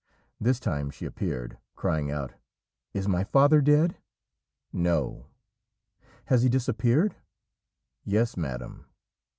This time she appeared, crying out 'Is my father dead?' 'No.' 'Has he disappeared?' 'Yes, madam.